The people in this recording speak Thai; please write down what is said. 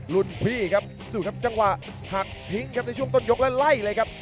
รุ่นพี่ครับดูครับจังหวะหักทิ้งครับในช่วงต้นยกและไล่เลยครับ